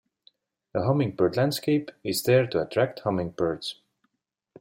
A hummingbird landscape is there to attract hummingbirds.